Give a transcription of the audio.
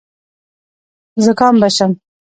زکام به شم .